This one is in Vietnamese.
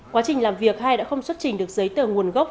quá trình làm việc hai đã không xuất trình được giấy tờ nguồn gốc